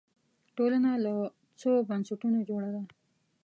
ټولنه له څو بنسټونو جوړه ده